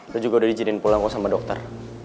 lu juga udah dijinin pulang kok sama dokter